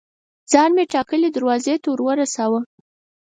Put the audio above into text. ځان مې ټاکلي دروازې ته ورساوه.